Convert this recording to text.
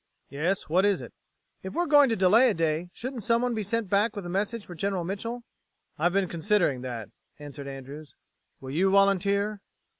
"Yes? What is it?" "If we're going to delay a day, shouldn't someone be sent back with a message for General Mitchel?" "I've been considering that," answered Andrews. "Will you volunteer?"